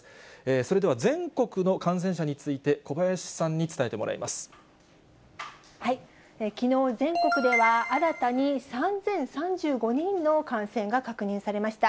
それでは、全国の感染者について、きのう、全国では新たに３０３５人の感染が確認されました。